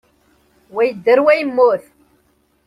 Wa yedder, wa yemmut.